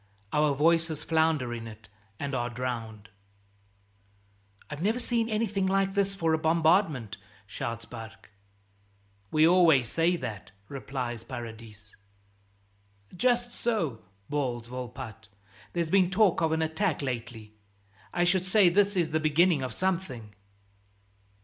Our voices flounder in it and are drowned. "I've never seen anything like this for a bombardment," shouts Barque. "We always say that," replies Paradis. "Just so," bawls Volpatte. "There's been talk of an attack lately; I should say this is the beginning of something."